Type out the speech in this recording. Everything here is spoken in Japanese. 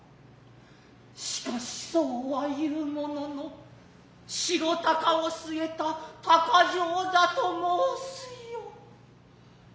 然し然うは云ふものの白鷹を据ゑた鷹匠だと申すよ。